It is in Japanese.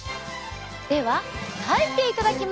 では描いていただきましょう！